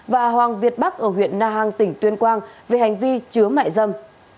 và hoàng việt bắc ở huyện na hàng tỉnh tuyên quang về hành vi chứa mại dâm